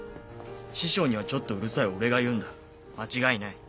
師匠にはちょっとうるさい俺が言うんだ間違いない。